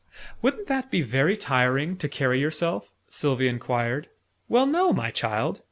"Won't that be very tiring, to carry yourself?" Sylvie enquired. "Well, no, my child.